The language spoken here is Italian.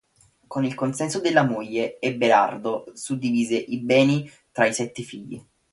Con il consenso della moglie, Eberardo suddivise i suoi beni tra i sette figli.